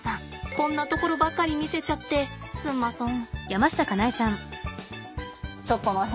こんなところばかり見せちゃってすんまそん。